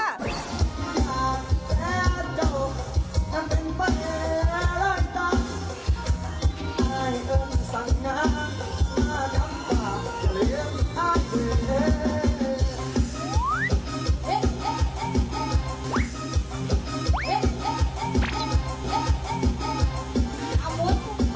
อาบุญ